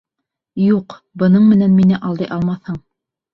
Юҡ, бының менән мине алдай алмаҫһың!